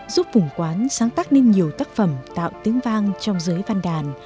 giúp vùng quán sáng tác nên nhiều tác phẩm tạo tiếng vang trong giới văn đàn